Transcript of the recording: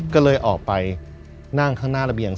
ก็เลยออกไปนั่งข้างหน้าระเบียง